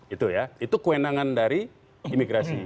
itu ya itu kewenangan dari imigrasi